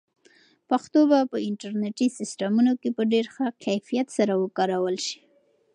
پښتو به په انټرنیټي سیسټمونو کې په ډېر ښه کیفیت سره وکارول شي.